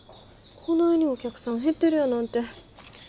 こないにお客さん減ってるやなんて。